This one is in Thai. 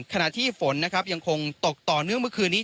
ขณะที่ฝนนะครับยังคงตกต่อเนื่องเมื่อคืนนี้